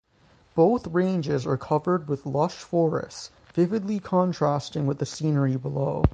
Both ranges are covered with lush forests vividly contrasting with the scenery below.